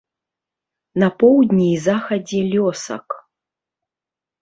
На поўдні і захадзе лёсак.